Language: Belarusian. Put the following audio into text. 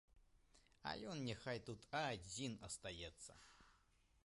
А ён няхай тут адзін астаецца.